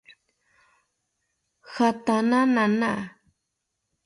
Jatana nana